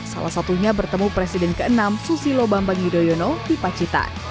salah satunya bertemu presiden ke enam susilo bambang yudhoyono di pacitan